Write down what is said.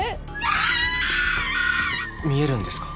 「見えるんですか？」